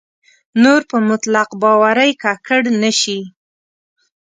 نور په مطلق باورۍ ککړ نه شي.